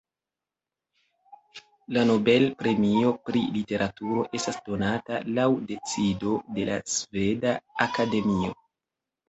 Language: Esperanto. La Nobel-premio pri literaturo estas donata laŭ decido de la Sveda Akademio.